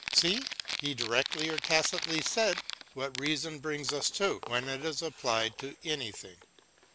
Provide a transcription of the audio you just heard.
See, he directly or tacitly said, what reason brings us to when it is applied to any thing.